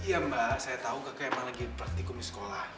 iya mbak saya tahu kakek emang lagi bertikum di sekolah